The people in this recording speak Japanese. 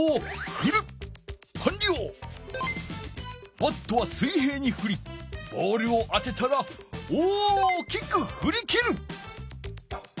バットは水平にふりボールを当てたら大きくふりきる！